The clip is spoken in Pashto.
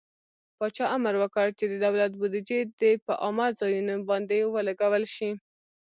پاچا امر وکړ چې د دولت بودجې د په عامه ځايونو باندې ولګول شي.